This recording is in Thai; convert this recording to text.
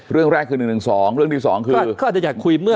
เรื่องแรกคือ๑๑๒เรื่องที่สองคือ